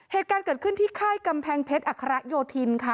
เหตุการณ์เกิดขึ้นที่ค่ายกำแพงเพชรอัคระโยธินค่ะ